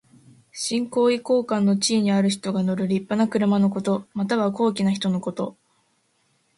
身高位高官の地位にある人が乗るりっぱな車のこと。または、高貴な人のこと。